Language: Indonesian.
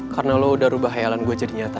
karena lo udah ubah hayalan gue jadi nyata